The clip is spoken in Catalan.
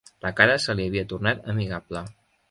La cara se li havia tornat amigable.